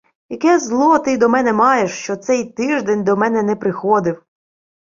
Яке зло ти до мене маєш, що цей тиждень до мене не приходив?